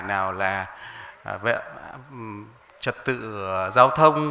nào là trật tự giao thông